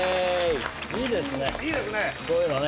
いいですね